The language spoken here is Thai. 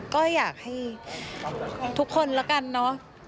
ก็อยากให้ทุกคนแล้วกันเนอะ